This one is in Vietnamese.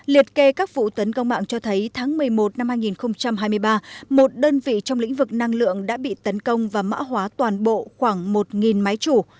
liệt kê các vụ tấn công mạng cho thấy tháng một mươi một năm hai nghìn hai mươi ba một đơn vị trong lĩnh vực năng lượng đã bị tấn công và mã hóa toàn bộ khoảng một máy chủ